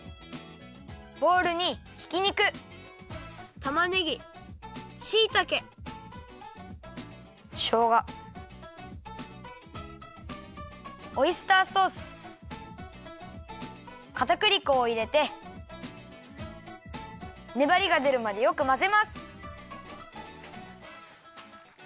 ボウルにひき肉たまねぎしいたけしょうがオイスターソースかたくり粉をいれてねばりがでるまでよくまぜます。